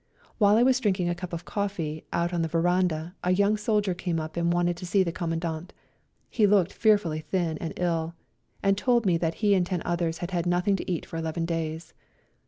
While I was drinking a cup of coffee out on the veran dah a young soldier came up and wanted to see the Commandant. He looked fear fully thin and ill, and told me that he and ten others had had nothing to eat for eleven days.